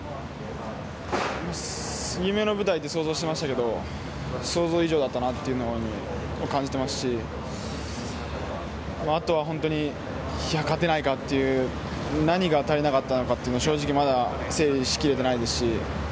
夢の舞台と想像していましたけど想像以上だなと感じていますしあとは本当に勝てないかという何が足りなかったのかと正直まだ整理しきれていないですし